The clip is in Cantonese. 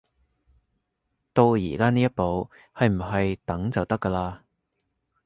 到而家呢一步，係唔係等就得㗎喇